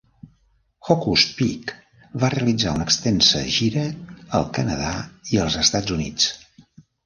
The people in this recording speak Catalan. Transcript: Hokus Pick va realitzar una extensa gira al Canadà i als Estats Units.